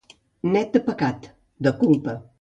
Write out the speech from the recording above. Net de pecat, de culpa.